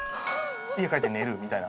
家帰って寝るみたいな。